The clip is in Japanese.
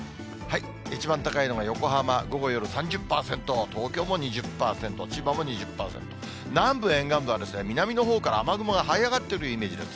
一番高いのが横浜、午後、夜３０％、東京も２０％、千葉も２０％、南部沿岸部は南のほうから雨雲がはい上がってるイメージです。